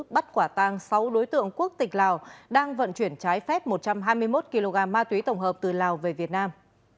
bắt quả tang sáu đối tượng quốc tịch lào đang vận chuyển trái phép một trăm hai mươi một kg ma túy tổng hợp từ lào về việt nam